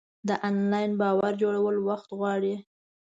د انلاین باور جوړول وخت غواړي.